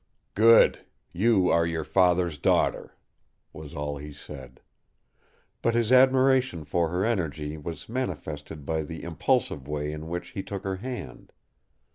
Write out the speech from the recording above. "Good! You are your Father's daughter!" was all he said. But his admiration for her energy was manifested by the impulsive way in which he took her hand.